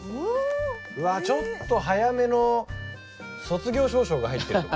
ちょっと早めの卒業証書が入ってるとか。